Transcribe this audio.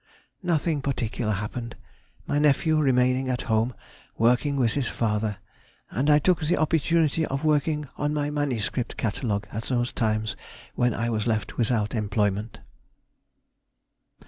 _—Nothing particular happened, my nephew remaining at home working with his father, and I took the opportunity of working on my MS. Catalogue at those times when I was left without employment.